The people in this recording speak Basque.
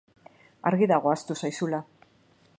Argi dago ahaztu zaizula.